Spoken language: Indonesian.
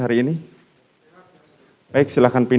ini satu lagi